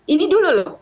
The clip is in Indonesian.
ini dulu loh